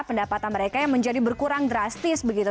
pendapatan mereka yang menjadi berkurang drastis begitu